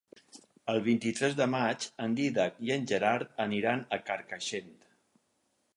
El vint-i-tres de maig en Dídac i en Gerard aniran a Carcaixent.